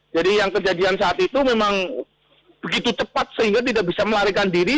yang kejadian saat itu memang begitu cepat sehingga tidak bisa melarikan diri